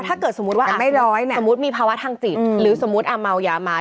ถ้าเกิดสมมติว่าอ่ะสมมติว่ามีภาวะทางจิตหรือสมมติอ่าเมลยามัน